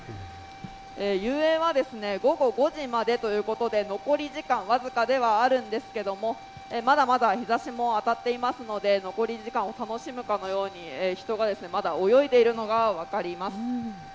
遊泳は午後５時までということで、残り時間僅かではあるんですけれどもまだまだ日ざしも当たっていますので残り時間を楽しむかのように、人がまだ泳いでいるのが分かります。